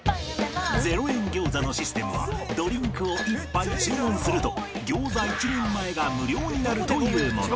０円餃子のシステムはドリンクを１杯注文すると餃子１人前が無料になるというもの。